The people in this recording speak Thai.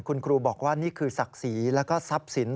คุณครูบอกว่านี่คือศักดิ์ศรีแล้วก็ทรัพย์สิน